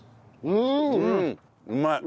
うんうまい。